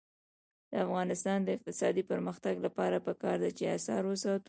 د افغانستان د اقتصادي پرمختګ لپاره پکار ده چې اثار وساتو.